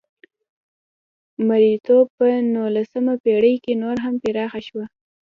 مریتوب په نولسمه پېړۍ کې نور هم پراخه شوه.